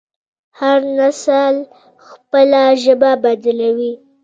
هر نسل خپله ژبه بدلوي.